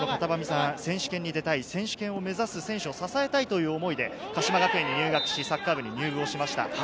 方波見さん、選手権に出たい、選手権を目指す選手を支えたいという思いで、鹿島学園に入学し、サッカー部に入部しました。